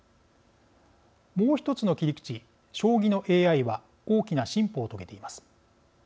もう１つの切り口、将棋のＡＩは大きな進歩をとげています。